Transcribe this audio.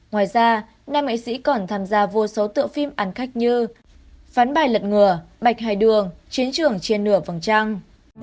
ngoài ra nam nghệ sĩ còn tham gia vô số tựa phim ăn khách như phán bài lật ngừa bạch hài đường chiến trường trên nửa vầng trăng